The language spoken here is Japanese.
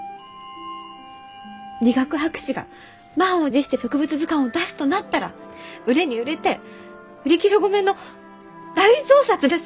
理学博士が満を持して植物図鑑を出すとなったら売れに売れて売り切れ御免の大増刷ですよ！